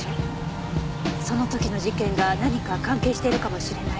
その時の事件が何か関係しているかもしれない。